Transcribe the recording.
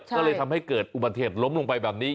ก็เลยทำให้เกิดอุบัติเหตุล้มลงไปแบบนี้